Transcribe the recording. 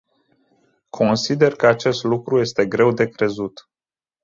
Consider că acest lucru este greu de crezut.